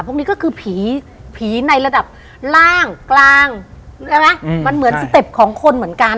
พวกนี้ก็คือผีผีในระดับล่างกลางใช่ไหมมันเหมือนสเต็ปของคนเหมือนกัน